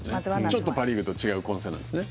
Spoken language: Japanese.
ちょっとパ・リーグと違う混戦ですね。